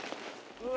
うわ。